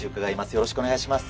よろしくお願いします。